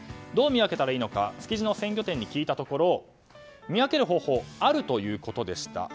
どう見分けたらいいのか築地の鮮魚店に聞いたところ見分ける方法はあるということでした。